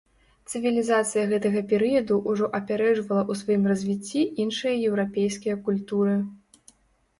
Цывілізацыя гэтага перыяду ўжо апярэджвала ў сваім развіцці іншыя еўрапейскія культуры.